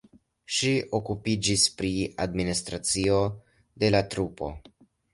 Ŝi okupiĝis pri administracio de la trupo.